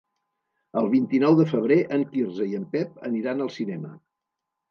El vint-i-nou de febrer en Quirze i en Pep aniran al cinema.